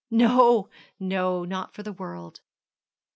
'No, no, not for the world.'